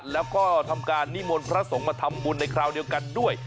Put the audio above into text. แล้วก็ทำการนิมนต์พระสงฆ์มาทำบุญในคราวเดียวกันด้วย